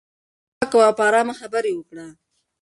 پټکه مه کوه او په ارامه خبرې وکړه.